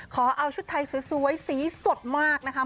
ขอเอาชุดไทยสวยสีสดมากนะคะ